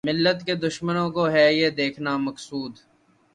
ملت کے دشمنوں کو ھے یہ دیکھنا مقصود